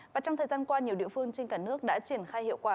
và trong thời gian qua nhiều địa phương trên cả nước đã triển khai hiệu quả